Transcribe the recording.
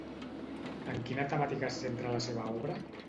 En quina temàtica es centra la seva obra?